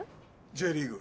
Ｊリーグ。